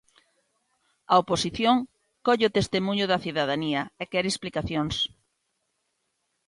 A oposición colle o testemuño da cidadanía e quere explicacións.